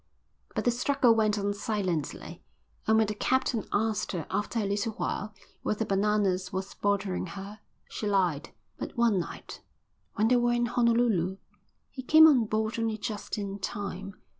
But the struggle went on silently, and when the captain asked her after a little while whether Bananas was bothering her, she lied. But one night, when they were in Honolulu, he came on board only just in time.